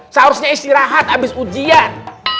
seharusnya istirahat habis ujian